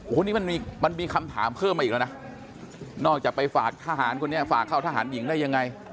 โอ้โหนี่มันมีมันมีคำถามเพิ่มมาอีกแล้วนะนอกจากไปฝากทหารคนนี้ฝากเข้าทหารหญิงได้ยังไง